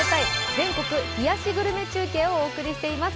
全国ひやしグルメ中継をお送りしています。